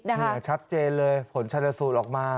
เนี่ยชัดเจนเลยผลชนสูตรออกมา